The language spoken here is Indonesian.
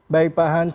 baik pak hans